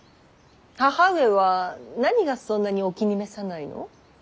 義母上は何がそんなにお気に召さないの？